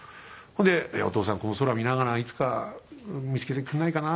それで「お父さんこの空を見ながらいつか見付けてくれないかな？